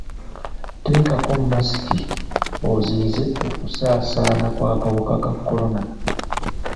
Teekako masiki oziiyize okusaasaana kw'akawuka ka kolona.